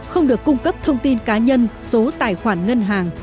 không được cung cấp thông tin cá nhân số tài khoản ngân hàng